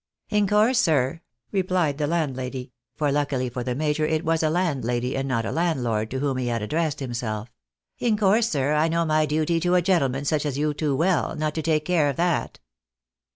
" In course, sir," replied the landlady (for luckily for the major, it was a landlady and not a landlord, to whom he had addressed him self), " in course, sir, I know my duty to a gentleman such as you too well, not to take care of that."